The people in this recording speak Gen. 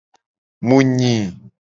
Mu nyi.